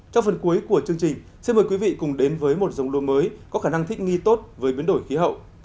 trong phần cuối của chương trình xin mời quý vị cùng đến với một dông lúa mới có khả năng thích nghi tốt với biến đổi khí hậu